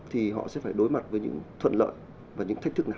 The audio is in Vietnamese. thì họ sẽ phải đối mặt với những thuận lợi và những thách thức này